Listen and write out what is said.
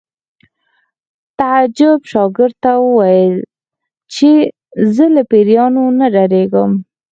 تعجب شاګرد ته وویل چې زه له پیریانو نه ډارېږم